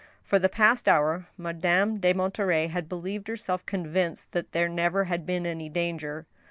For the past hour, Madame de Monterey had believed herself convinced that there never had been any danger.